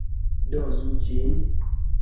Donu ĝin!